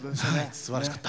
すばらしかった。